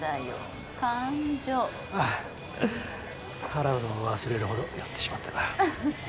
払うのを忘れるほど酔ってしまったか。